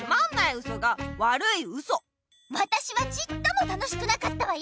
わたしはちっとも楽しくなかったわよ！